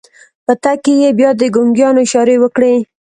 په تګ کې يې بيا د ګونګيانو اشارې وکړې.